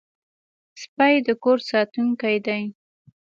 سپي د کور ساتونکي دي.